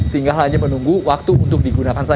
tinggal hanya menunggu waktu untuk digunakan